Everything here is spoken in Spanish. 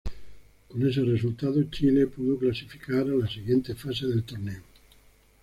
Con ese resultado Chile pudo clasificar a la siguiente fase del torneo.